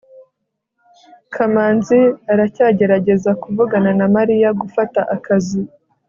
kamanzi aracyagerageza kuvugana na mariya gufata akazi